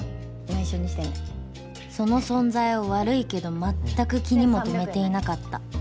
内緒にその存在を悪いけどまったく気にも留めていなかった。